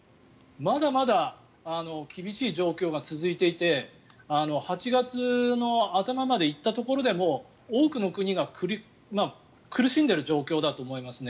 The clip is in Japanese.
まだまだ厳しい状況が続いていて８月の頭まで行ったところでも多くの国が苦しんでいる状況だと思いますね。